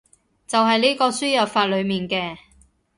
就係呢個輸入法裏面嘅